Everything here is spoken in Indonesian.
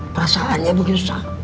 perasaannya begitu sakit